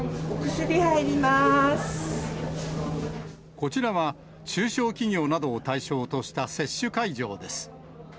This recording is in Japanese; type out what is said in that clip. こちらは、中小企業などを対象とした接種会場です。